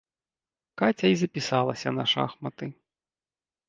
Каця і запісалася на шахматы.